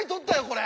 これ。